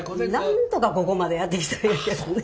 なんとかここまでやってきたんやけどね。